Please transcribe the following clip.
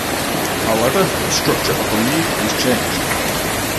However the structure of the league is changed.